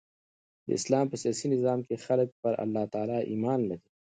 د اسلام په سیاسي نظام کښي خلک پر الله تعالي ایمان لري.